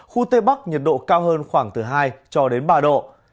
khu tây bắc nhiệt độ cao hơn khoảng từ hai cho đến ba độ